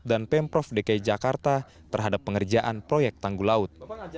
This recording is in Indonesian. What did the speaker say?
dan pemprov dki jakarta terhadap pengerjaan proyek tanggul laut